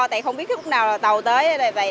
tại không biết lúc nào tàu tới